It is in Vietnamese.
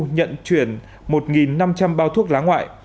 nhận chuyển một năm trăm linh bao thuốc lá ngoại